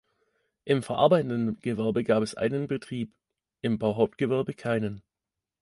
Im verarbeitenden Gewerbe gab es einen Betrieb, im Bauhauptgewerbe keinen.